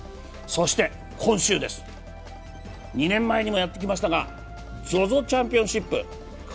そして今週です、２年前にもやってきましたがＺＯＺＯチャンピオンシップ。